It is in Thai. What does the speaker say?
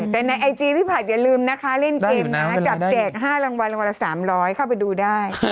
แต่ในไอจีพี่ผัดอย่าลืมนะคะเล่นเกมนะจับแจก๕รางวัลรางวัลละ๓๐๐เข้าไปดูได้